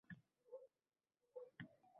Ular hamisha izlanishda edi